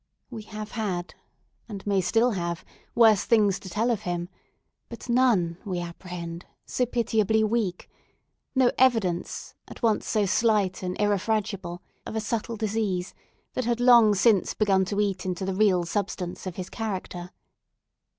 We have had, and may still have, worse things to tell of him; but none, we apprehend, so pitiably weak; no evidence, at once so slight and irrefragable, of a subtle disease that had long since begun to eat into the real substance of his character.